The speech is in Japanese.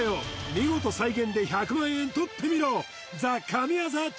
見事再現で１００万円とってみろ